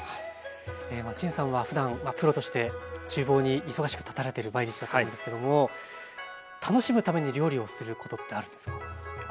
陳さんはふだんプロとしてちゅう房に忙しく立たれてる毎日だと思うんですけども楽しむために料理をすることってあるんですか？